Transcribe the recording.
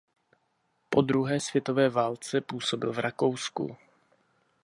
Po Druhé světové válce působil v Rakousku.